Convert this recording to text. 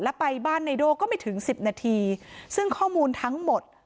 แล้วไปบ้านไนโด่ก็ไม่ถึงสิบนาทีซึ่งข้อมูลทั้งหมด